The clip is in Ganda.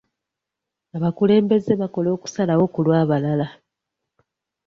Abakulembeze bakola okusalawo ku lw'abalala.